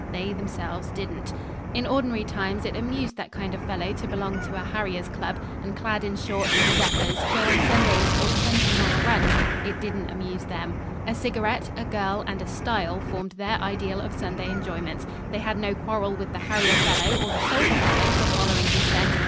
They themselves didn't. In ordinary times, it amused that kind of fellow to belong to a Harriers Club, and clad in shorts and zephyrs, go on Sundays for twenty mile runs. It didn't amuse them. A cigarette, a girl, and a stile formed their ideal of Sunday enjoyment. They had no quarrel with the harrier fellow or the soldier fellow for following his bent.